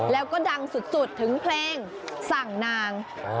แล้วก็ดังสุดถึงเพลงสั่งนาง